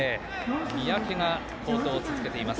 三宅が好投を続けています。